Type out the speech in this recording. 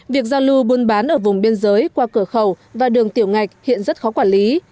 việc giao lưu buôn bán ở vùng biên giới qua cửa khẩu và đường tiểu ngạch hiện rất khó quản lý